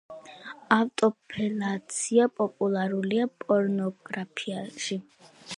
ავტოფელაცია პოპულარულია პორნოგრაფიაში.